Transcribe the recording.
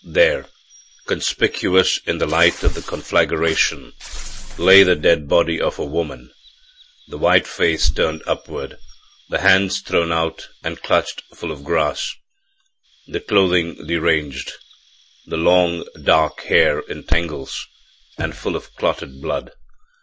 There, conspicuous in the light of the conflagration, lay the dead body of a woman the white face turned upward, the hands thrown out and clutched full of grass, the clothing deranged, the long dark hair in tangles and full of clotted blood.